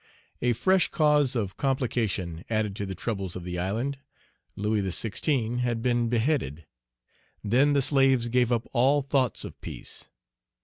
A fresh cause of complication added to the troubles of the island: Louis XVI. had been beheaded. Then the slaves gave up all thoughts of peace.